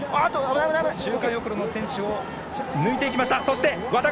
周回遅れの選手を抜いていきました。